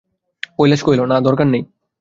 কৈলাস কহিল, না, দরকার নেই।